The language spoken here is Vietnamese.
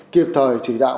kịp thời chỉ đạo